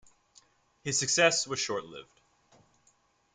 His success was short-lived.